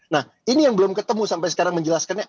nah ini yang belum ketemu sampai sekarang menjelaskannya